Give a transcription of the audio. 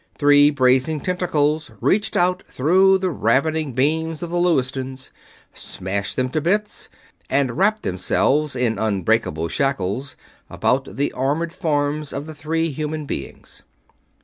Three brazen tentacles reached out through the ravening beams of the Lewistons, smashed them to bits, and wrapped themselves in unbreakable shackles about the armored forms of the three human beings.